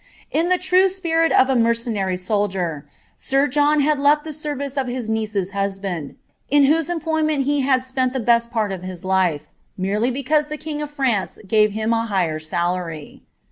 In I I epini of a mercenary soldier, air John had left Ihe service of hia awcei bualmnd, in whose employmenl he had spent the best part of bU liit. merely because the king of France gave him a higher salftry.